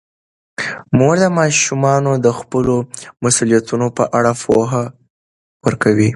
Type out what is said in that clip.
مور د ماشومانو د خپلو مسوولیتونو په اړه پوهه ورکوي.